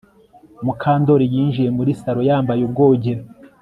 Mukandoli yinjiye muri salo yambaye ubwogero